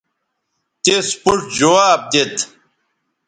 تس پوڇ جواب دیت